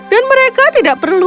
dan mereka tidak perlu